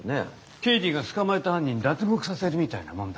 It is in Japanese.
刑事が捕まえた犯人脱獄させるみたいなもんだ。